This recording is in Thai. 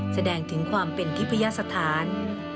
แสดงถึงความเป็นทิพยาสถาน